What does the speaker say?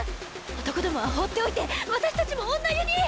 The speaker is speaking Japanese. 男どもは放っておいて私たちも女湯に！